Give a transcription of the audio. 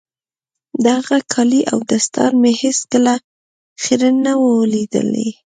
د هغه کالي او دستار مې هېڅ کله خيرن نه وو ليدلي.